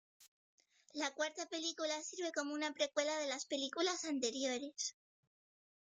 La cuarta película sirve como una precuela de las películas anteriores.